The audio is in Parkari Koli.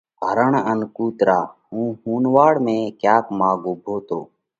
هرڻ ان ڪُوترا: هُون ۿُونَواڙ ۾ ڪياڪ ماڳ اُوڀو تو۔